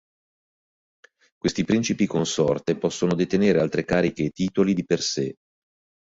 Questi principi consorte possono detenere altre cariche e titoli di per sé.